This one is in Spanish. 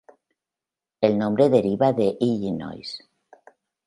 El nombre deriva de Illinois.